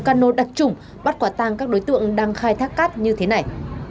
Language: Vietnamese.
cano đặc trụng bắt quả tang các đối tượng đang khai thác cát như thế này